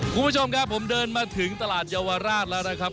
คุณผู้ชมครับผมเดินมาถึงตลาดเยาวราชแล้วนะครับ